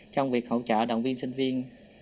trong việc hỗ trợ đoàn viên sinh viên